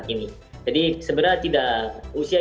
dan saya juga bisa memperbaiki kemahiran saya